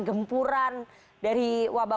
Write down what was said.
gempuran dari wabah